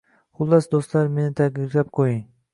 Xullas dustlar meni tabriklab quying